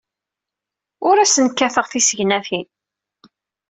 Ur asen-kkateɣ tissegnatin.